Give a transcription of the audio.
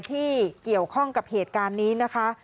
ที่เกี่ยวข้องกับเหตุการณ์นี้นะคะ